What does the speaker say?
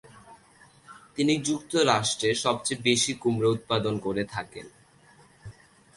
তিনি যুক্তরাষ্ট্রে সবচেয়ে বেশি কুমড়া উৎপাদন করে থাকেন।